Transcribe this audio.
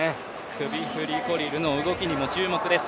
首振りコリルの動きにも注目です。